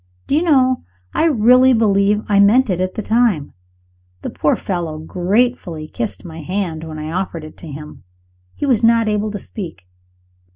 Do you know, I really believe I meant it at the time! The poor fellow gratefully kissed my hand when I offered it to him he was not able to speak.